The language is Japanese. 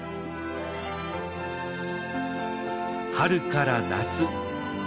春から夏。